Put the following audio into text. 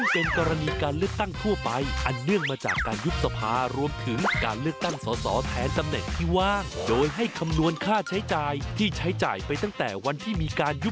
โปรดติดตามตอนต่อไป